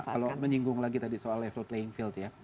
kalau menyinggung lagi tadi soal level playing field ya